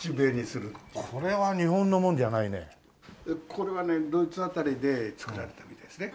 これはねドイツ辺りで作られたみたいですね。